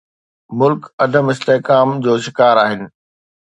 ملڪ عدم استحڪام جو شڪار آهن.